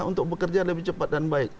untuk bekerja lebih cepat dan baik